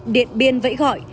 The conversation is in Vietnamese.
điện biên vẫy gọi